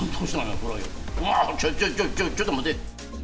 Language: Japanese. ちょちょちょい待って。